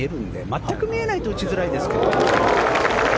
全く見えないと打ちづらいですが。